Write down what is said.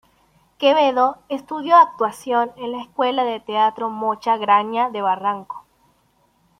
Quevedo estudió actuación en la Escuela de Teatro Mocha Graña de Barranco.